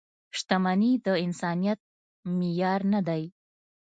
• شتمني د انسانیت معیار نه دی.